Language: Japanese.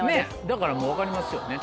だからもう分かりますよね。